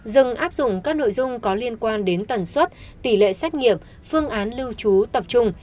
dừng áp dụng các nội dung có liên quan đến tần suất tỷ lệ xét nghiệm phương án lưu trú tập trung